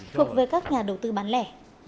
thuộc về các nhà đầu tư bán lẻ